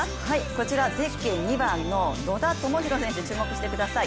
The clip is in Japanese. こちらゼッケン２番の野田明宏選手、注目してください